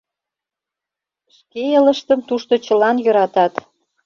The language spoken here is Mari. Шке элыштым тушто чылан йӧратат